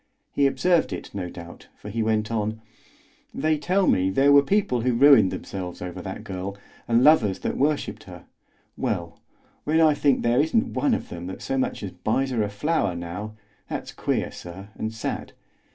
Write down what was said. He observed it, no doubt, for he went on: "They tell me there were people who ruined themselves over that girl, and lovers that worshipped her; well, when I think there isn't one of them that so much as buys her a flower now, that's queer, sir, and sad.